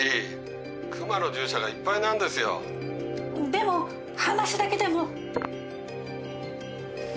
でも話だけでも。